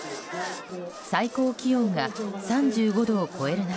最高気温が３５度を超える中